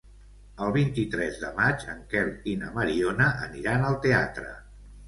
El vint-i-tres de maig en Quel i na Mariona aniran al teatre.